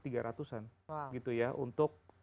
tiga ratusan gitu ya untuk